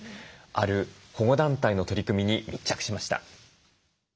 ある保護団体の取り組みに密着しました。